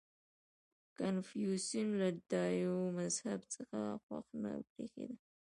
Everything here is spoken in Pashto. • کنفوسیوس له دایو مذهب څخه خوښ نه برېښېده.